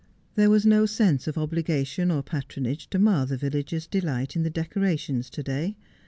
There was no sense of obligation or patronage to mar the villagers' delight in the decorations to day.